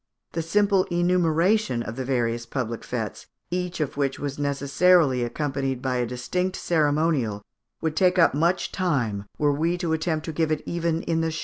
The simple enumeration of the various public fêtes, each of which was necessarily accompanied by a distinct ceremonial, would take up much time were we to attempt to give it even in the shortest manner.